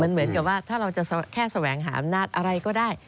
เหมือนกับว่าถ้าเราจะแค่แสวงหาอำนาจอะไรก็ได้